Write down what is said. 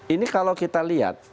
ini kalau kita lihat